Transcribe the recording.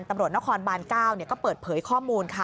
ตำรวจนครบาน๙ก็เปิดเผยข้อมูลค่ะ